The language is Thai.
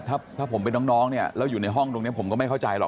ถ้าผมเป็นน้องเนี่ยแล้วอยู่ในห้องตรงนี้ผมก็ไม่เข้าใจหรอก